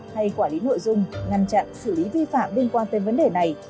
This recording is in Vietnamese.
hay quản lý nội dung ngăn chặn xử lý vi phạm liên quan tới vấn đề này